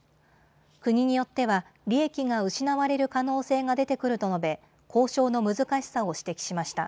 国によっては利益が失われる可能性が出てくると述べ交渉の難しさを指摘しました。